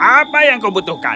tanya aku apa yang kau butuhkan